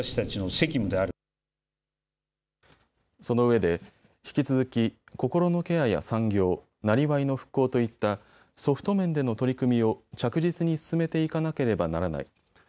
そのうえで引き続き心のケアや産業、なりわいの復興といったソフト面での取り組みを着実に進めていかなければならない。